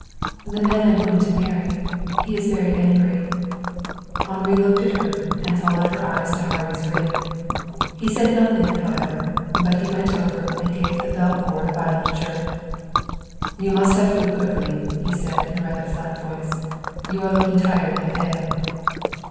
"The man I am going to marry. He is very angry." Henri looked at her, and followed her eyes to Harvey's ring. He said nothing, however, but he went over and gave the bell cord a violent jerk. "You must have food quickly," he said in a rather flat voice. "You are looking tired and pale."